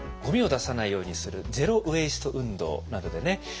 ゴミを出さないようにする「ゼロ・ウェイスト運動」などでね